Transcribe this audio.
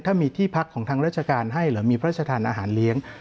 ถ้ามีที่พักของทางราชการให้หรือมีพระราชทานอาหารเลี้ยง